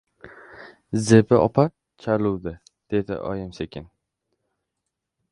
— Zebi opa chaluvdi, — dedi oyim sekin.